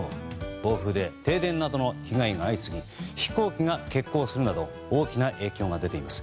暴風で停電などの被害が相次ぎ飛行機が欠航するなど大きな影響が出ています。